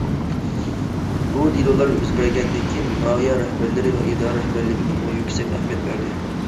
بۇ دېلولار يۈز بەرگەندىن كېيىن، ناھىيە رەھبەرلىرى ۋە ئىدارە رەھبەرلىكى بۇنىڭغا يۈكسەك ئەھمىيەت بەردى.